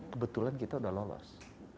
kebetulan kita sudah lolos